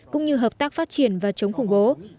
cũng như hợp tác phát triển và chống khủng bố